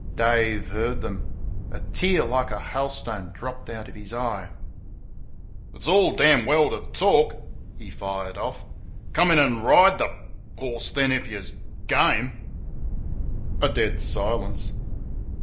Dave heard them. A tear like a hailstone dropped out of his eye. "It's all damn well t' TALK," he fired off; "come in and RIDE th' horse then, if y' s' GAME!" A dead silence.